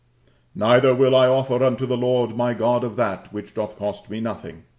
"Neither will I offer unto the Lord my God of that which doth cost me nothing."